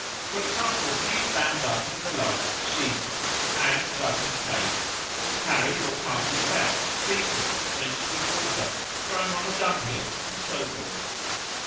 For example, he is bound up in the last sheaf, and, thus encased, is carried or carted about, beaten, drenched with water, thrown on a dunghill, and so forth.